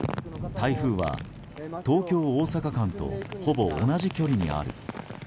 台風は東京大阪間とほぼ同じ距離にある。